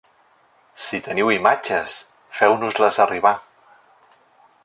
Si teniu imatges feu-nos-les arribar.